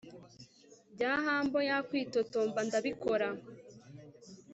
bya humber yakwitotomba. ndabikora